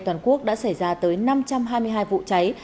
toàn quốc đã xảy ra tới năm trăm hai mươi hai vụ cháy